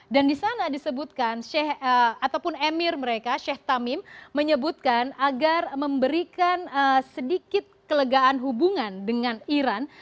dan di sana disebutkan ataupun emir mereka sheikh tamim menyebutkan agar memberikan sedikit kelegaan hubungan dengan iran